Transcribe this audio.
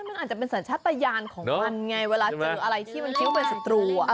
มันอาจจะเป็นสัญชาติยานของมันไงเวลาเจออะไรที่มันคิ้วเป็นศัตรู